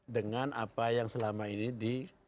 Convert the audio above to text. dengan apa yang selama ini di